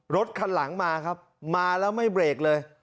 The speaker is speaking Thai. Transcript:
รถคันหลังมาครับมาแล้วไม่เบรกเลย